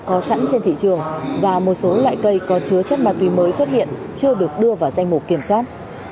có sẵn trên thị trường và một số loại cây có chứa chất ma túy mới xuất hiện chưa được đưa vào danh mục kiểm soát